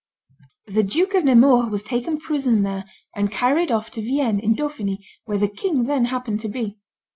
The Duke of Nemours was taken prisoner there and carried off to Vienne, in Dauphiny, where the king then happened to be.